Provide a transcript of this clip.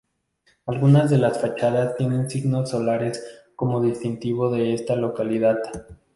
Algunas de las fachadas tiene signos solares como distintivo de esta localidad.